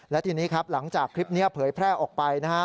และทีนี้ครับหลังจากคลิปนี้เผยแพร่ออกไปนะฮะ